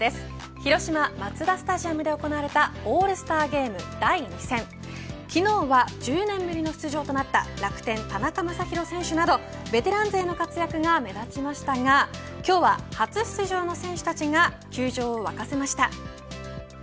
広島マツダスタジアムで行われたオールスターゲーム第２戦昨日は１０年ぶりの出場となった楽天、田中将大選手などベテラン勢の活躍が目立ちましたが今日は初出場の選手たちが球場を沸かせました。